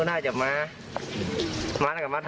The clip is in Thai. เล่นเกย์กับผม